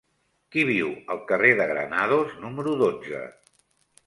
Qui viu al carrer de Granados número dotze?